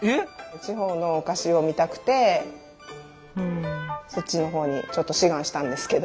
地方のお菓子を見たくてそっちのほうにちょっと志願したんですけど。